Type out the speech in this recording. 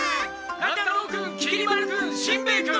乱太郎君きり丸君しんべヱ君。